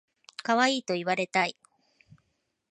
かわいいと言われたい